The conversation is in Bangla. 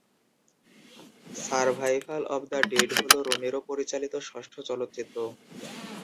সারভাইভাল অব দ্য ডেড হল রোমেরো পরিচালিত ষষ্ঠ চলচ্চিত্র।